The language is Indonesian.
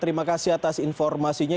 terima kasih atas informasinya